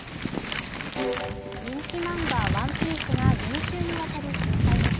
人気漫画「ＯＮＥＰＩＥＣＥ」が４週にわたり休載です。